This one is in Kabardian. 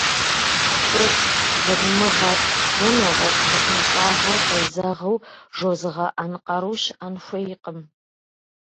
ПцӀыр, залымыгъэр е нэгъуэщӀ мыхъумыщӀагъэр къезэгъыу жозыгъэӀэн къару щыӀэн хуейкъым.